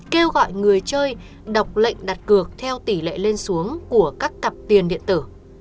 kêu gọi người chơi đọc lệnh đặt cược theo tỷ lệ lên xuống của các cặp tiền điện tử